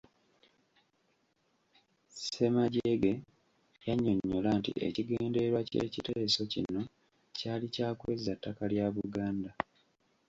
Ssemagyege yannyonnyola nti ekigendererwa ky’ekiteeso kino kyali kya kwezza ttaka lya Buganda.